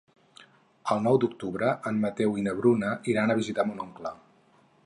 El nou d'octubre en Mateu i na Bruna iran a visitar mon oncle.